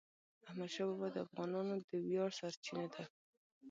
احمدشاه بابا د افغانانو د ویاړ سرچینه ده.